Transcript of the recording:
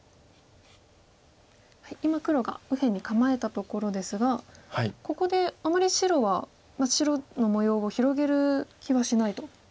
今黒が右辺に構えたところですがここであまり白は白の模様を広げる気はしないと。